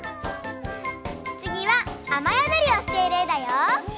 つぎはあまやどりをしているえだよ。